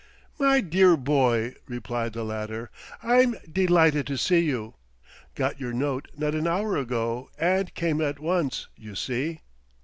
"My dear boy!" replied the latter. "I'm delighted to see you. 'Got your note not an hour ago, and came at once you see!"